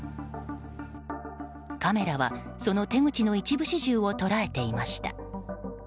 カメラはその手口の一部始終を捉えていました。